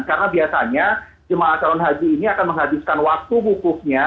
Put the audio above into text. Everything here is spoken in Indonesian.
karena biasanya jemaah calon haji ini akan menghabiskan waktu bukuknya